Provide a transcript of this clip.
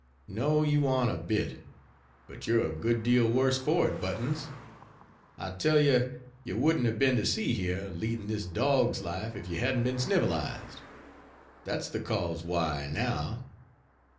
"No; you ar'n't a bit—but you're a good deal worse for it, Buttons. I tell ye, ye wouldn't have been to sea here, leadin' this dog's life, if you hadn't been snivelized—that's the cause why, now.